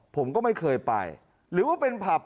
ผมก็ไม่เคยไปหรือว่าเป็นผับ